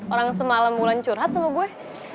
orang semalam bulan curhat sama gue